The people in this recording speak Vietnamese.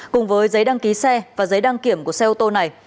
cùng với giấy đăng ký xe và giấy đăng kiểm của xe ô tô này